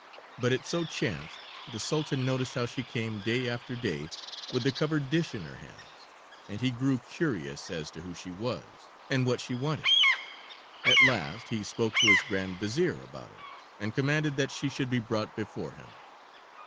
But it so chanced the Sultan noticed how she came day after day with the covered dish in her hands, and he grew curious as to who she was and what she wanted. At last he spoke to his Grand Vizier about her, and commanded that she should be brought before him.